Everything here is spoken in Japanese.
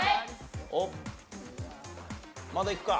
おっまだいくか。